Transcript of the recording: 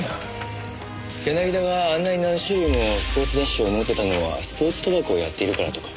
柳田があんなに何種類もスポーツ雑誌を持ってたのはスポーツ賭博をやっているからとか。